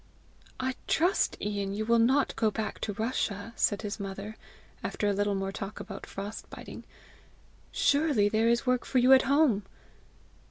"I trust, Ian, you will not go back to Russia!" said his mother, after a little more talk about frost biting. "Surely there is work for you at home!"